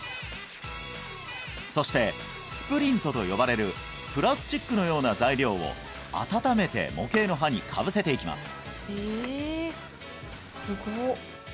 そしてスプリントと呼ばれるプラスチックのような材料を温めて模型の歯にかぶせていきます